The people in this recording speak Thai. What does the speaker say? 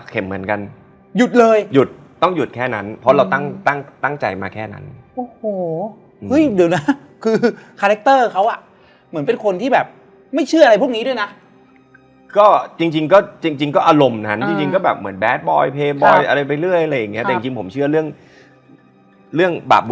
ก็เลยดูตามรูปแต่งผนังบ้านเขาก็มีรูป